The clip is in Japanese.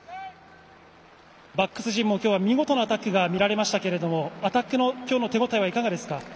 バックス陣も今日は見事なアタックが見られましたがアタックの今日の手応えはいかがですか。